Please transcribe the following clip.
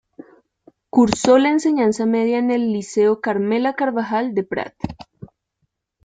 Cursó la enseñanza media en el Liceo Carmela Carvajal de Prat.